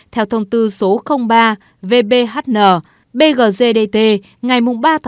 theo thông tư số ba vbhn bgzdt ngày ba năm hai nghìn hai mươi